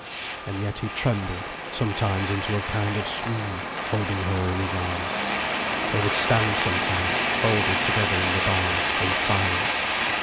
And yet he trembled, sometimes into a kind of swoon, holding her in his arms. They would stand sometimes folded together in the barn, in silence.